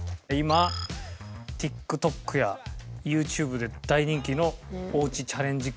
今ＴｉｋＴｏｋやＹｏｕＴｕｂｅで大人気のおうちチャレンジ